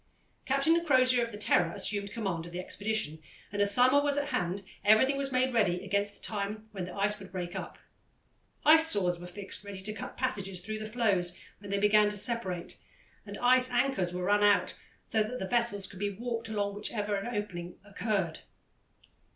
Captain Crozier, of the Terror, assumed command of the expedition, and as summer was at hand, everything was made ready against the time when the ice would break up. Ice saws were fixed ready to cut passages through the floes when they began to separate, and ice anchors were run out so that the vessels could be warped along whenever an opening occurred.